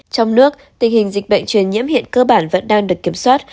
trong nước tình hình dịch bệnh truyền nhiễm hiện cơ bản vẫn đang được kiểm soát